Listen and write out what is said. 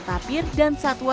tapir dan satwa satwa lain